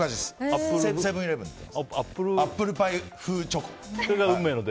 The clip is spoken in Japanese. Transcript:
アップルパイ風チョコ。